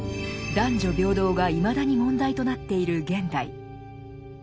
男女平等がいまだに問題となっている現代。